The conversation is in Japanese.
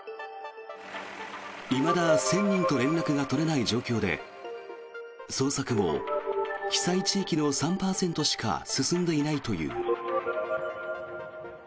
いまだ１０００人と連絡が取れない状況で捜索も被災地域の３％しか進んでいないという。